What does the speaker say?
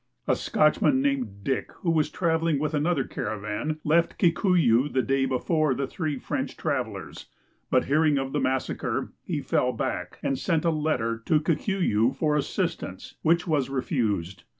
A Scotchman, named Dick, who was traveling with another caravan, left Kikuyu the day before the three French travelers, but hearing of the massacre he fell back and .sent a letter to Kikuyu for assistance, which was refused.